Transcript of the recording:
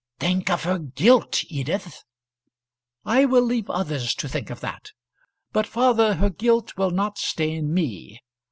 "Think of her guilt, Edith!" "I will leave others to think of that. But, father, her guilt will not stain me.